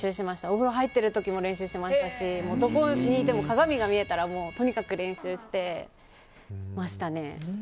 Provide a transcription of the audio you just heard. お風呂入ってる時も練習しましたし、どこにいても鏡が見えたらとにかく練習してましたね。